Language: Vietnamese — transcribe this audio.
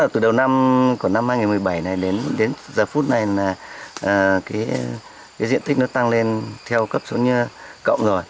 từ đầu năm của năm hai nghìn một mươi bảy này đến giờ phút này là cái diện tích nó tăng lên theo cấp xuống cộng rồi